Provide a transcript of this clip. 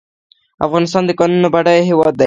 افغانستان د کانونو بډایه هیواد دی